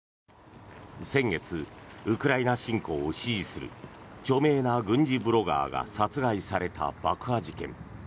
先月、ウクライナ侵攻を支持する著名な軍事ブロガーが殺害された爆破事件。